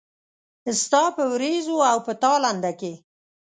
ستا په ورېځو او په تالنده کې